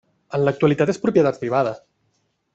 En l'actualitat és propietat privada.